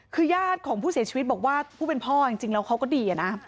คือญาติของผู้เสียชีวิตบอกว่าผู้เป็นพ่อจริงแล้วเขาก็ดีอะนะ